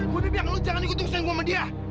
gue udah bilang lo jangan ikut ikutan gue sama dia